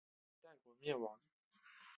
明代国灭亡。